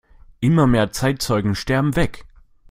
Immer mehr Zeitzeugen sterben weg.